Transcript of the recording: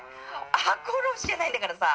赤穂浪士じゃないんだからさ」。